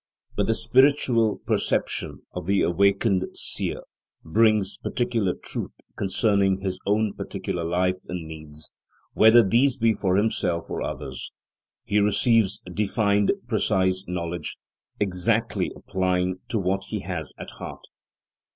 But the spiritual perception of the awakened Seer brings particular truth concerning his own particular life and needs, whether these be for himself or others. He receives defined, precise knowledge, exactly applying to what he has at heart.